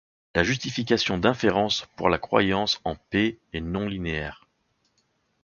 La justification d'inférence pour la croyance en P est non linéaire.